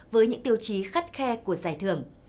với những tiêu chí khắt khe của giải thưởng